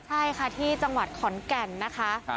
ใช่ค่ะที่จังหวัดขอนแก่นนะคะ